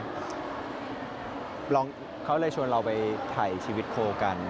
เพราะโดยเท่านั้นเขาเลยชวนไปถ่ายชีวิตโคกัน